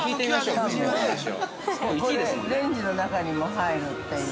◆これ、レンジの中にも入るという。